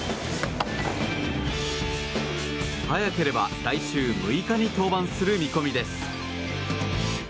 早ければ来週６日に登板する見込みです。